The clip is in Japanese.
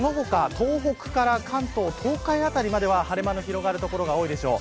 東北から関東東海辺りまでは晴れ間の広がる所が多いでしょう。